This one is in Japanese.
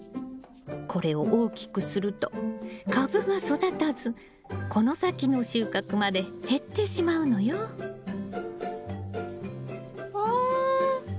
これを大きくすると株が育たずこの先の収穫まで減ってしまうのよ。わ！